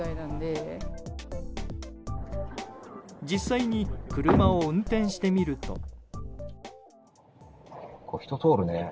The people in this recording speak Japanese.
実際に車を運転してみると。